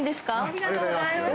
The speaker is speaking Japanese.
ありがとうございます。